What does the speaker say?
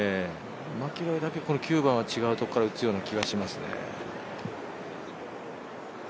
マキロイだけこの９番は違うところから打つような気がしますね。